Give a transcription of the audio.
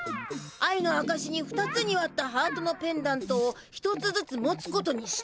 愛のあかしに２つにわったハートのペンダントを１つずつ持つことにした。